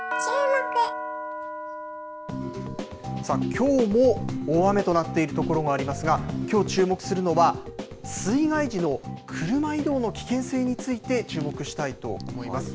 きょうも大雨となっている所がありますが、きょう、チューモクするのは水害時の車移動の危険性について、チューモクしたいと思います。